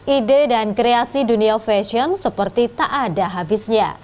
ide dan kreasi dunia fashion seperti tak ada habisnya